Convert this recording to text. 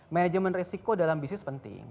manajemen resiko dalam bisnis penting